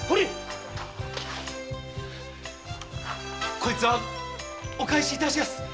こいつはお返しいたします。